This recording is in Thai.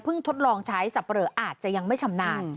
ทดลองใช้สับปะเลออาจจะยังไม่ชำนาญ